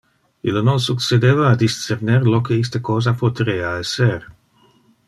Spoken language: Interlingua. Ille non succedeva a discerner lo que iste cosa poterea esser.